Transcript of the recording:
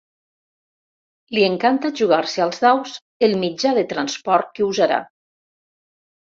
Li encanta jugar-se als daus el mitjà de transport que usarà.